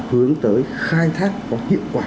hướng tới khai thác có hiệu quả